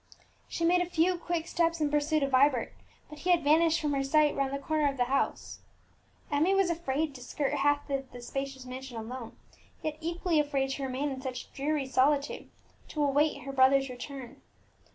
She made a few quick steps in pursuit of Vibert; but he had vanished from her sight round the corner of the house. Emmie was afraid to skirt half of the spacious mansion alone, yet equally afraid to remain in such dreary solitude, to await her brother's return.